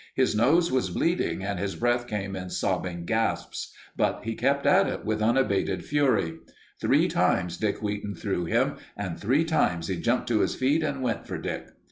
His nose was bleeding and his breath came in sobbing gasps, but he kept at it with unabated fury. Three times Dick Wheaton threw him, and three times he jumped to his feet and went for Dick.